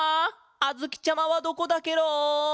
あづきちゃまはどこだケロ！